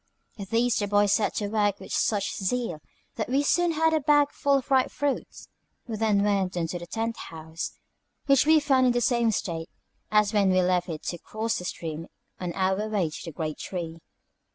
At these the boys set to work with such zeal, that we soon had a full bag of the ripe fruit. We then went on to Tent House, which we found in the same state as when we left it to cross the stream on our way to the great tree.